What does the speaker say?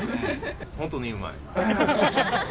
本当にうまい。